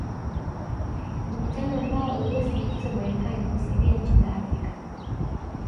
Mkutano ambao uliosisitiza Marekani kusaidia nchi za Afrika